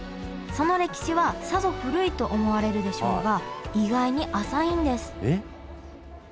その歴史はさぞ古いと思われるでしょうが意外に浅いんですえっ？